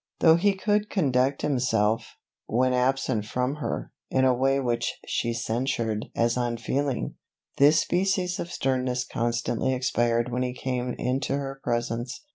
Though he could conduct himself, when absent from her, in a way which she censured as unfeeling; this species of sternness constantly expired when he came into her presence.